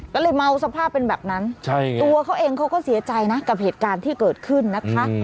ก็เลยเมาสภาพเป็นแบบนั้นตัวเขาเองเขาก็เสียใจนะกับเหตุการณ์ที่เกิดขึ้นนะคะ